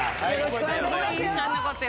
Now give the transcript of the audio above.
すごい印象に残ってる。